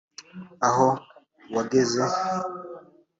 aho wageze